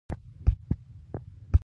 هغه وویل چې ته څوک یې.